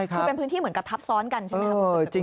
คือเป็นพื้นที่เหมือนกับทับซ้อนกันใช่ไหมครับ